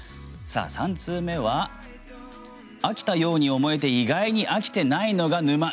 ３通目は飽きたように思えて意外に飽きていないのが沼。